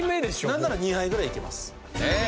なんなら２杯ぐらいいけます。